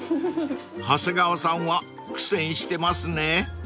［長谷川さんは苦戦してますね］